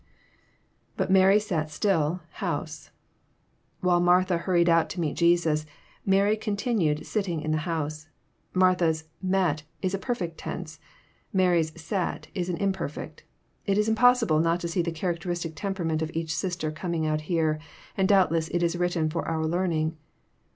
IBut Mary sat 8till...howie.'\ While Murtha hurried out to meet Jesus, Mary continued sitting in the house. Martha's «< met" is a perfect tense; Mary's ''sat" Is an imperfect. % It is impossible not to see the characteristic temperament of each sister coming out here, and doubtless it is written for our learn . ing.